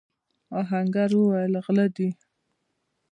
آهنګر وويل: غله دي!